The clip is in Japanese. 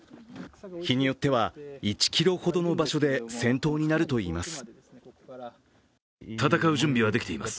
日によっては１ｋｍほどの場所で戦闘になるといいます。